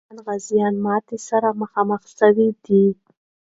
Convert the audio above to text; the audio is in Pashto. افغاني غازیان ماتي سره مخامخ سوي دي.